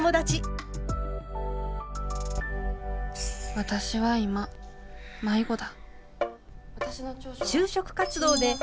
私は今迷子だ。